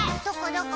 どこ？